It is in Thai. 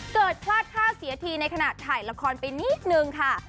เกิดพลาดท่าเสียทีในขณะถ่ายละครไปนิดนึงค่ะ